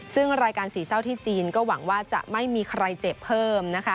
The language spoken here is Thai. ซึ่งรายการสี่เศร้าที่จีนก็หวังว่าจะไม่มีใครเจ็บเพิ่มนะคะ